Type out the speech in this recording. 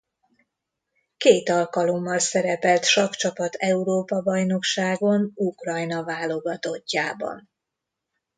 Két alkalommal szerepelt sakkcsapat Európa-bajnokságon Ukrajna válogatottjában.